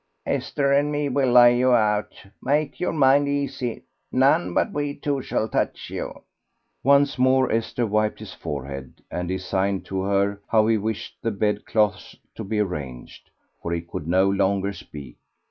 "Esther and me will lay you out, make your mind easy; none but we two shall touch you." Once more Esther wiped his forehead, and he signed to her how he wished the bed clothes to be arranged, for he could no longer speak.